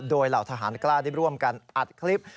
โดยเหล่าทหารกล้าได้ร่วมกันอัดคลิป